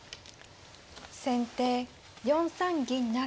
先手４三銀不成。